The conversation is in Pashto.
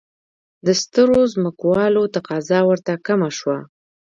د سترو ځمکوالو تقاضا ورته کمه شوه.